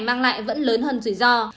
mang lại vẫn lớn hơn rủi ro